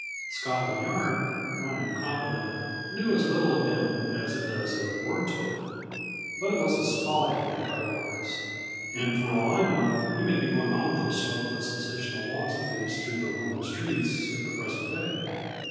Scotland Yard, I am confident, knew as little of him as it does of Wordsworth. But it was his folly to think otherwise, and for all I know he may be going on with those slow but sensational walks of his through the London streets at the present day.